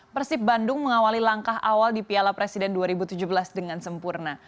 persib bandung mengawali langkah awal di piala presiden dua ribu tujuh belas dengan sempurna